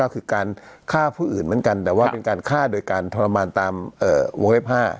ก็คือการฆ่าผู้อื่นเหมือนกันแต่ว่าเป็นการฆ่าโดยการทรมานตามวงเล็บ๕